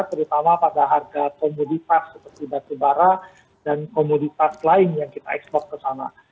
terutama pada harga komoditas seperti batu bara dan komoditas lain yang kita ekspor ke sana